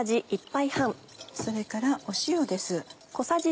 それから塩です。